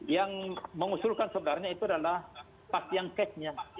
yang mengusulkan sebenarnya itu adalah pasiang cash nya